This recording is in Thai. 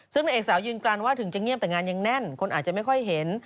ซึ่งนางเอกสาวยืนยันว่าถึงจะเงียบแต่งานยังแน่นคนอาจจะไม่ค่อยเห็น